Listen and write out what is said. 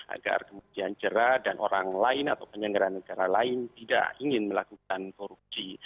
agar kemudian cerah dan orang lain atau penyelenggara negara lain tidak ingin melakukan korupsi